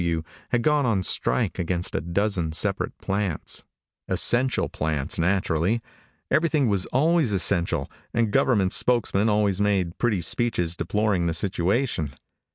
F.W. had gone on strike against a dozen separate plants. Essential plants, naturally. Everything was always essential, and government spokesmen always made pretty speeches deploring the situation.